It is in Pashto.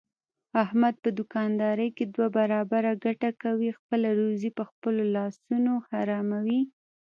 احمد په دوکاندارۍ کې دوه برابره ګټه کوي، خپله روزي په خپلو لاسونو حراموي.